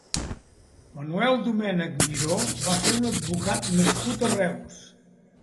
Manuel Domènech Miró va ser un advocat nascut a Reus.